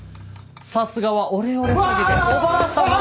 さすがはオレオレ詐欺でおばあさまを。